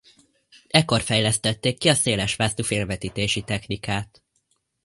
Ekkor fejlesztették ki a szélesvásznú filmvetítési technikát.